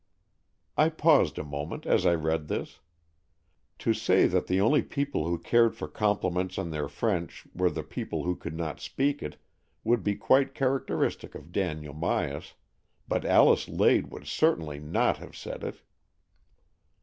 I paused a moment as I read this. To say that the only people who cared for com pliments on their French were the people who could not speak it, would be quite character istic of Daniel Myas, but Alice Lade would certainly not have said it.